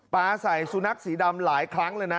ปลาใส่สุนัขสีดำหลายครั้งเลยนะ